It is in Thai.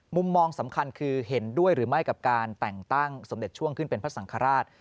มุมมองสำคัญคือเห็นด้วยหรือไม่กับการแต่งตั้งสมเด็จช่วงขึ้นเป็นพระสังฆราช